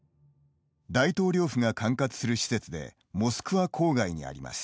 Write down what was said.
大統領府が管轄する施設でモスクワ郊外にあります。